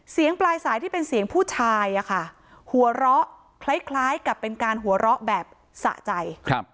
ปลายสายที่เป็นเสียงผู้ชายอะค่ะหัวเราะคล้ายกับเป็นการหัวเราะแบบสะใจ